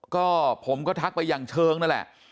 ก็ผมก็ทักไปอย่างเชิงนั่นแหละ